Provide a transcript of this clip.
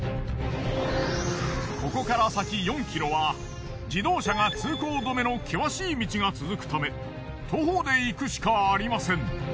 ここから先４ｋｍは自動車が通行止めの険しい道が続くため徒歩で行くしかありません。